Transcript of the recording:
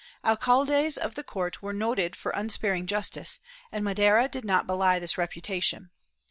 Alcaldes of the court were noted for unsparing justice, and Madera did not belie this reputation.